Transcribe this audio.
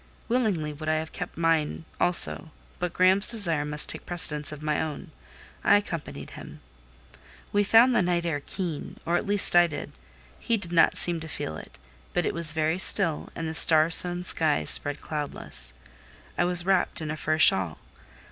Willingly would I have kept mine also, but Graham's desire must take precedence of my own; I accompanied him. We found the night air keen; or at least I did: he did not seem to feel it; but it was very still, and the star sown sky spread cloudless. I was wrapped in a fur shawl.